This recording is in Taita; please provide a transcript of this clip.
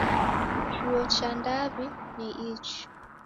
Chuo cha ndaw'i ni ichi.